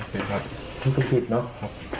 ต้องผิดนะ